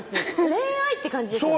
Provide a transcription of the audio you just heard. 恋愛って感じですよね